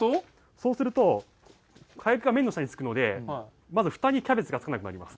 そうするとカヤクが麺の下に付くのでまずフタにキャベツが付かなくなります。